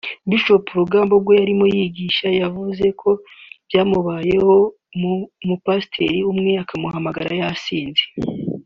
Bishop Rugamba ubwo yarimo yigisha yavuze ko byamubayeho umupasiteri umwe akamuhamagara yasinze